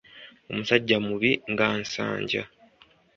Omusajja mubi nga Nsanja.